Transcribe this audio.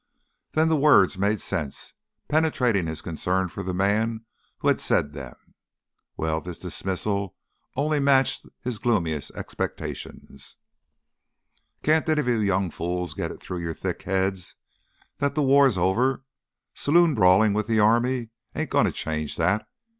Then the words made sense, penetrating his concern for the man who had said them. Well, this dismissal only matched his gloomiest expectations. "Can't any of you young fools get it through your thick heads that the war's over? Saloon brawling with the army ain't going to change that.